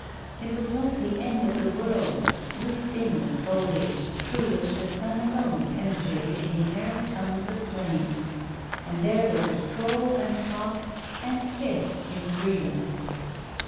It was like the end of the world, roofed in with foliage, through which the sun alone penetrated in narrow tongues of flame. And there they could stroll and talk and kiss in freedom.